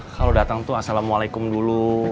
halo datang tuh assalamualaikum dulu